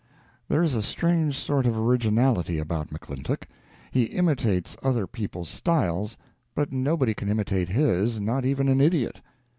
There is a strange sort of originality about McClintock; he imitates other people's styles, but nobody can imitate his, not even an idiot.